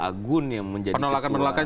agun yang menjadi penolakan penolakan